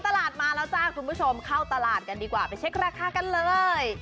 ตลาดมาแล้วจ้าคุณผู้ชมเข้าตลาดกันดีกว่าไปเช็คราคากันเลย